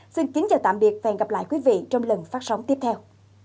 xin kính chào tạm biệt và hẹn gặp lại quý vị trong lần phát sóng tiếp theo